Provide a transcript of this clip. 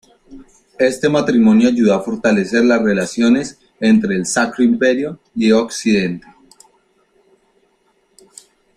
Este matrimonio ayudó a fortalecer las relaciones entre el Sacro Imperio y Occidente.